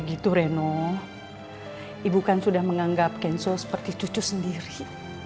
ibu kan sudah menganggap kenzo seperti cucu sendiri